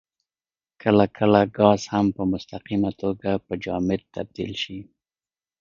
کله کله ګاز هم په مستقیمه توګه په جامد تبدیل شي.